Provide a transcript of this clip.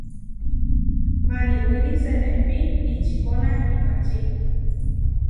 Maniwíri senepí ičikóna ipahčí.